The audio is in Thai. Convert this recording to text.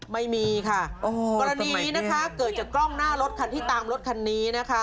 ไม่มีค่ะกรณีนี้นะคะเกิดจากกล้องหน้ารถคันที่ตามรถคันนี้นะคะ